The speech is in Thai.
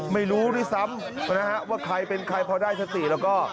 ไม่รู้ด้วยซ้ำนะฮะว่าใครเป็นใครพอได้สติแล้วก็